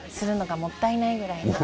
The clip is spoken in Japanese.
もったいないくらい。